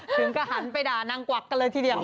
ถึงก็หันไปด่านางกวักกันเลยทีเดียว